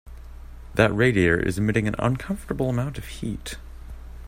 That radiator is emitting an uncomfortable amount of heat.